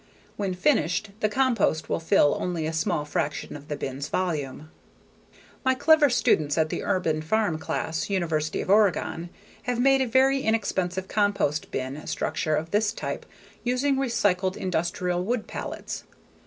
When finished, the compost will fill only a small fraction of the bin's volume. My clever students at the Urban Farm Class, University of Oregon have made a very inexpensive compost bin structure of this type using recycled industrial wood pallets.